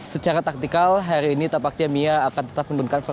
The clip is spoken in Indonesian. secara taktikal hari ini tapaknya mia akan tetap menunggukannya